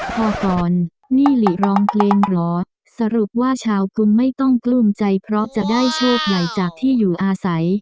กรนี่หลิร้องเพลงเหรอสรุปว่าชาวกุลไม่ต้องกลุ้มใจเพราะจะได้โชคใหญ่จากที่อยู่อาศัย